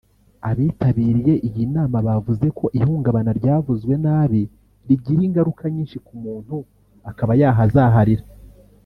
Abitabiriye iyi nama bavuze ko ihungabana ryavuwe nabi rigira ingaruka nyinshi ku muntu akaba yahazaharira